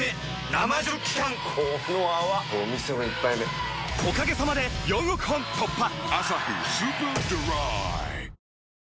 生ジョッキ缶この泡これお店の一杯目おかげさまで４億本突破！